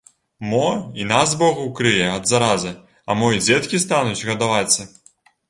Мо і нас бог укрые ад заразы, а мо і дзеткі стануць гадавацца!